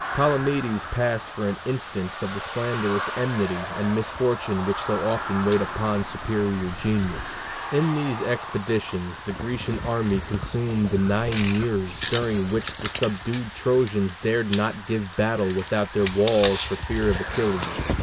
Palamedes passed for an instance of the slanderous enmity and misfortune which so often wait upon superior genius. In these expeditions the Grecian army consumed nine years, during which the subdued Trojans dared not give battle without their walls for fear of Achilles.